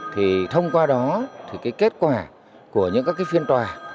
thì thông qua đó thì cái kết quả của những các cái phiên tòa